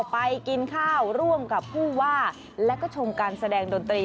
ไปกินข้าวร่วมกับผู้ว่าและก็ชมการแสดงดนตรี